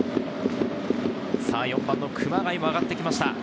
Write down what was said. ４番・熊谷も上がってきました。